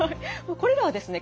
これらはですね